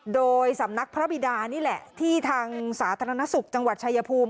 โดยสำนักพระบิดานี่แหละที่ทางสาธารณสุขจังหวัดชายภูมิ